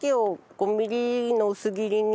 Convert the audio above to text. ５ミリの薄切りに。